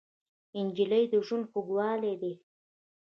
نجلۍ د ژوند خوږوالی دی.